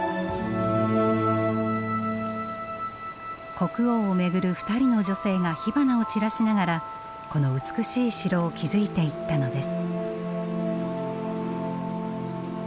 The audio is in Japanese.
国王を巡る２人の女性が火花を散らしながらこの美しい城を築いていったのです。